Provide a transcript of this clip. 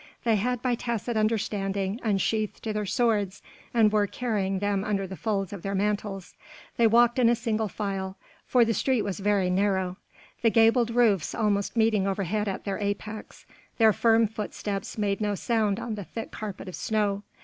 They had by tacit understanding unsheathed their swords and were carrying them under the folds of their mantles. They walked in single file, for the street was very narrow, the gabled roofs almost meeting overhead at their apex, their firm footsteps made no sound on the thick carpet of snow.